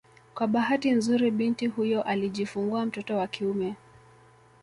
Kwa bahati nzuri binti huyo alijifungua mtoto wa kiume